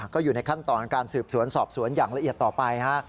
ก็อยู่ในขั้นตอนของการสืบสวนสอบสวนอย่างละเอียดต่อไปฮะ